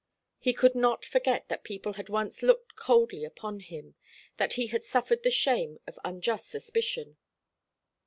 He could not forget that people had once looked coldly upon him, that he had suffered the shame of unjust suspicion.